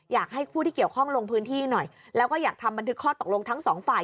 อยากให้ผู้ที่เกี่ยวข้องลงพื้นที่หน่อยแล้วก็อยากทำบันทึกข้อตกลงทั้งสองฝ่าย